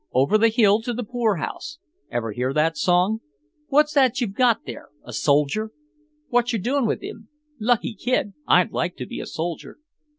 Over the hill to the poorhouse. Ever hear that song? What's that you've got there, a soldier? Watcher doing with him? Lucky kid, I'd like to be a soldier."